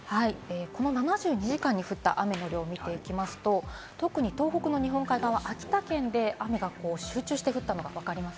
この７２時間に降った雨の量を見ていきますと、特に東北の日本海側、秋田県に雨が集中して降ったのが分かります。